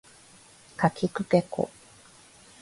かきくけこ